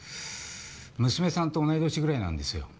娘さんと同い年ぐらいなんですよ。